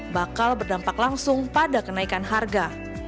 bakal berdampak langsung pada kenaikan harga